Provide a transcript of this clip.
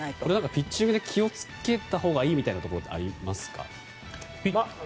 ピッチングで気を付けたほうがいいところはありますか？